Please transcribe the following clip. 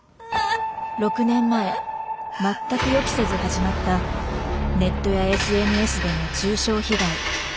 ６年前全く予期せず始まったネットやＳＮＳでの中傷被害。